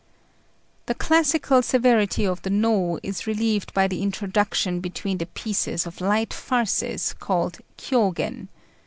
The classical severity of the Nô is relieved by the introduction between the pieces of light farces called Kiyôgen.